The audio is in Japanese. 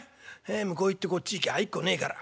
ええ向こう行ってこっち行きゃ会いっこねえから。